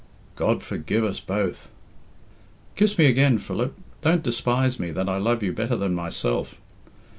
"God forgive us both!" "Kiss me again, Philip! Don't despise me that I love you better than myself!"